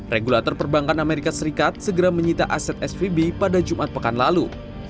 regulator perbankan amerika serikat segera menyita aset svb pada jumat pekan lalu